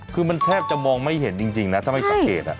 คือมันแทบจะมองไม่เห็นจริงนะถ้าไม่สังเกต